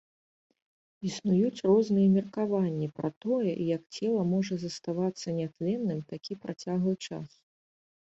Існуюць розныя меркаванні пра тое, як цела можа заставацца нятленным такі працяглы час.